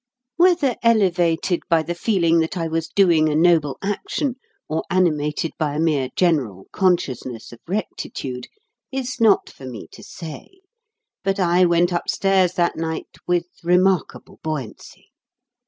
Whether elevated by the feeling that I was doing a noble action, or animated by a mere general consciousness of rectitude, is not for me to say, but I went upstairs that night with remarkable buoyancy.